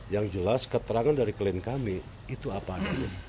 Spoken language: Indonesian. yang jelas keterangan dari klaim kami itu apaan